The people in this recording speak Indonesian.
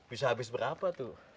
bisa habis berapa tuh